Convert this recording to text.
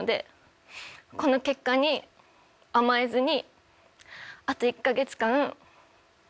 この結果に甘えずに。